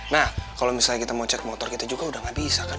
nah kalo misalnya kita mau cek motor kita juga udah gabisa kan